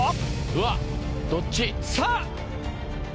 うわどっち？